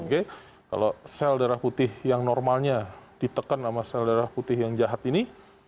kalau sel darah putih yang normalnya ditekan sama sel darah putih yang jahat ini